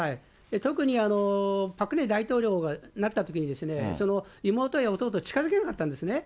特にパク・クネ大統領になったときに、妹や弟を近づけなかったんですね。